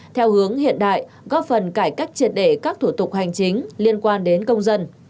theo hướng hiện đại góp phần cải cách triệt để các thủ tục hành chính liên quan đến công dân